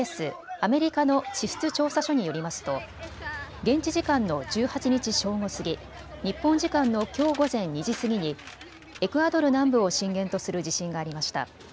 ・アメリカの地質調査所によりますと現地時間の１８日正午過ぎ、日本時間のきょう午前２時過ぎにエクアドル南部を震源とする地震がありました。